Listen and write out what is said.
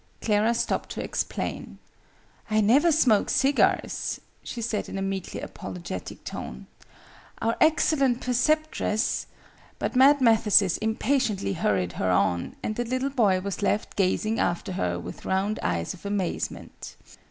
Clara stopped to explain. "I never smoke cigars," she said in a meekly apologetic tone. "Our excellent preceptress ," but Mad Mathesis impatiently hurried her on, and the little boy was left gazing after her with round eyes of amazement.